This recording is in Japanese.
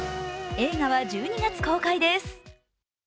映画は１２月公開です。